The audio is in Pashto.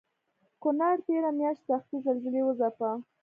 کونړ تېره مياشت سختې زلزلې وځپه